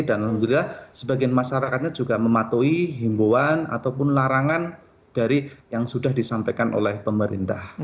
dan alhamdulillah sebagian masyarakatnya juga mematuhi himbuan ataupun larangan dari yang sudah disampaikan oleh pemerintah